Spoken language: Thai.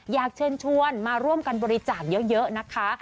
อยากเชิญชวนมาร่วมกันบริจาคเยอะนะคะ